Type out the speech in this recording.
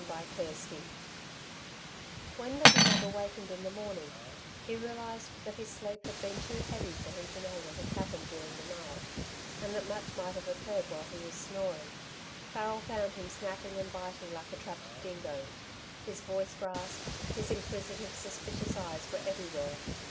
CHAPTER XXXII When McNab awakened in the morning, he realised that his sleep had been too heavy for him to know what had happened during the night, and that much might have occurred while he was snoring. Farrel found him snapping and biting like a trapped dingo. His voice rasped; his inquisitive, suspicious eyes were everywhere.